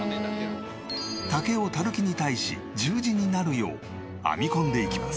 竹を垂木に対し十字になるよう編み込んでいきます。